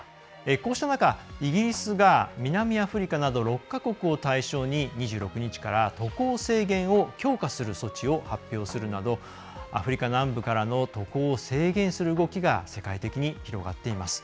こうした中、イギリスが南アフリカなど６か国を対象に２６日から渡航制限を強化する措置を発表するなどアフリカ南部からの渡航を制限する動きが世界的に広がっています。